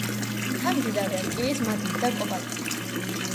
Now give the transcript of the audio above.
მთა მდიდარია რკინის მადნით და კობალტით.